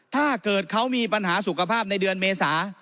ถ้าเกิดเขามีปัญหาสุขภาพในเดือนเมษา